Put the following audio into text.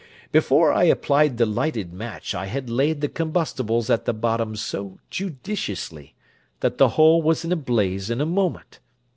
Before I applied the lighted match I had laid the combustibles at the bottom so judiciously, that the whole was in a blaze in a moment.